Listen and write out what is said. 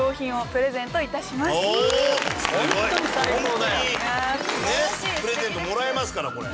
プレゼントもらえますからこれ。